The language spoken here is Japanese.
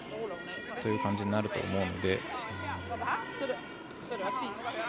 そういう感じになると思うので。